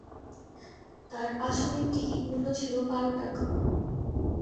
তার আসরের টিকিট মূল্য ছিল বারো টাকা।